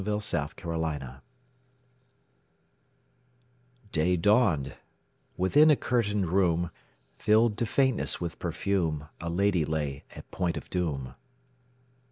Y Z History of a Life DAY dawned: within a curtained room, Filled to faintness with perfume, A lady lay at point of doom.